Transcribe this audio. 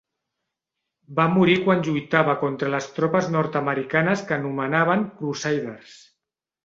Va morir quan lluitava contra les tropes nord-americanes que anomenaven "Crusaders".